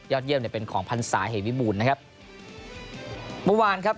เยี่ยมเนี่ยเป็นของพันศาเหวิบูรณ์นะครับเมื่อวานครับ